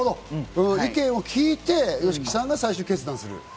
意見を聞いてＹＯＳＨＩＫＩさんが最終決断すると。